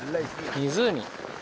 湖。